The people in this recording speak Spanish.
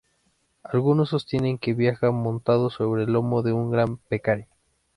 Algunos sostienen que viaja montado sobre el lomo de un gran pecarí.